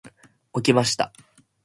起きました。